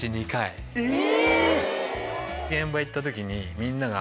え！